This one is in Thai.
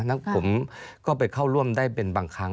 แล้วผมก็ไปเข้าร่วมได้เป็นบางครั้ง